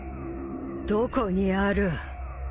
どこにある？